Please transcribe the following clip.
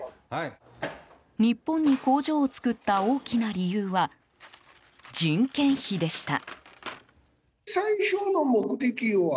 日本に工場を作った大きな理由は人件費でした。